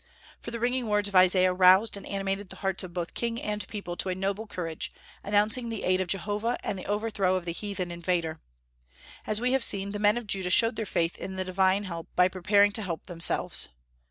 For the ringing words of Isaiah roused and animated the hearts of both king and people to a noble courage, announcing the aid of Jehovah and the overthrow of the heathen invader. As we have seen, the men of Judah showed their faith in the divine help by preparing to help themselves.